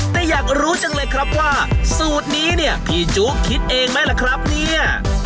แต่อยากรู้จังเลยครับว่าสูตรนี้เนี่ยพี่จุ๊กคิดเองไหมล่ะครับเนี่ย